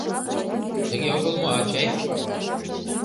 Тыге огыл мо, ачай?